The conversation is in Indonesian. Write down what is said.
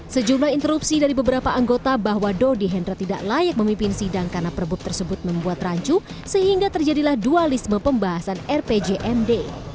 sejumlah interupsi dari beberapa anggota bahwa dodi hendra tidak layak memimpin sidang karena perbuk tersebut membuat rancu sehingga terjadilah dualisme pembahasan rpjmd